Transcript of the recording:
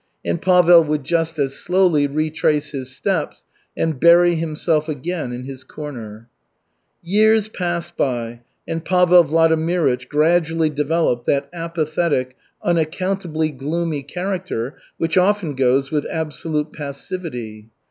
And Pavel would just as slowly retrace his steps and bury himself again in his corner. Years passed by, and Pavel Vladimirych gradually developed that apathetic, unaccountably gloomy character which often goes with absolute passivity.